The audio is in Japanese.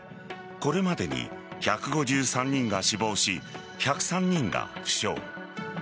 これまでに１５３人が死亡し１０３人が負傷。